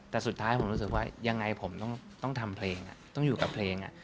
แต่สุดท้ายผมรู้สึกว่ายังไงผมต้องทำเพลงต้องอยู่กับเพลง